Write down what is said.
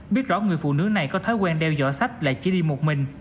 biết rõ người phụ nữ này có thói quen đeo giỏ sách là chỉ đi một mình